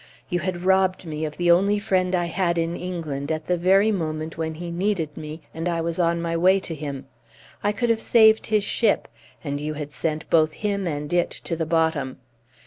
You had robbed me of the only friend I had in England at the very moment when he needed me and I was on my way to him. I could have saved his ship, and you had sent both him and it to the bottom!